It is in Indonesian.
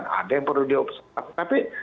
yang perlu diobstrak tapi